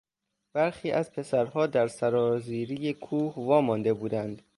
برخی از پسرها در سرازیری کوه وامانده بودند.